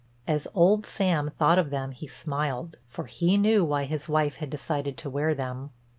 As old Sam thought of them he smiled, for he knew why his wife had decided to wear them.